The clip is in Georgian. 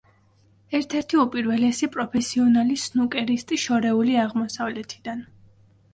ერთ-ერთი უპირველესი პროფესიონალი სნუკერისტი შორეული აღმოსავლეთიდან.